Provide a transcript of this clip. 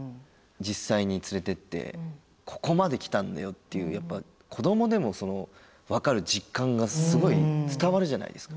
実際に連れてって「ここまで来たんだよ」っていうやっぱ子どもでも分かる実感がすごい伝わるじゃないですか。